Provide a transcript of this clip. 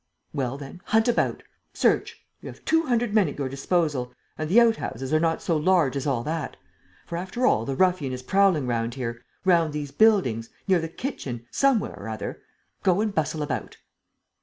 "Well, then, hunt about ... search. ... You have two hundred men at your disposal; and the out houses are not so large as all that! For, after all, the ruffian is prowling round here, round these buildings ... near the kitchen ... somewhere or other! Go and bustle about!"